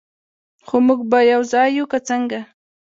خو موږ به یو ځای یو، که څنګه؟